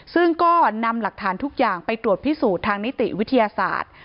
ซึ่งก็นำหลักฐานทุกอย่างไปตรวจพิสูจน์ทางนิติวิทยาศาสตร์